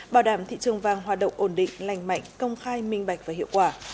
bảo đảm thị trường vàng hoạt động ổn định lành mạnh công khai minh bạch và hiệu quả